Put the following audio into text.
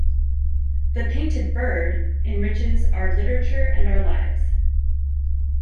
"The Painted Bird" enriches our literature and our lives".